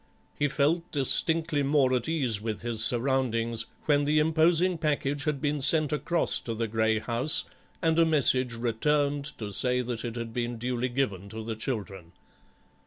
He felt distinctly more at ease with his surroundings when the imposing package had been sent across to the grey house, and a message returned to say that it had been duly given to the children.